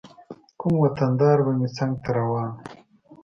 کوم وطن دار به مې څنګ ته روان و.